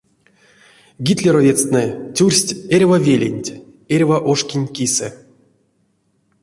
Гитлеровецтнэ тюрсть эрьва веленть, эрьва ошкенть кисэ.